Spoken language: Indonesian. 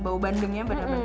bau bandengnya benar benar